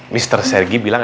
mister sergi bilang